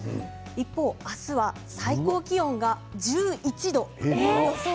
一方、明日は最高気温が１１度。